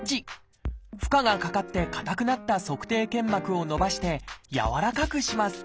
負荷がかかって硬くなった足底腱膜を伸ばしてやわらかくします